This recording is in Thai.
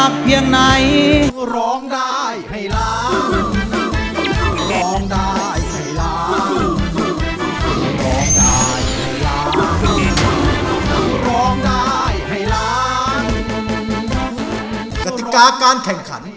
กติกาการแข่งขัน